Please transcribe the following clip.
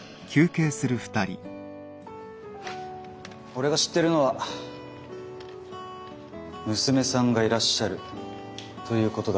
俺が知ってるのは娘さんがいらっしゃるということだけですが。